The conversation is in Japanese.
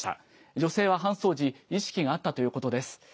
女性は搬送時、意識があったということです。